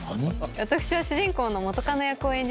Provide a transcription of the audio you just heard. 私は主人公の元カノ役を演じました。